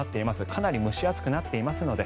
かなり蒸し暑くなっていますので。